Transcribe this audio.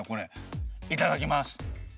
いただきます。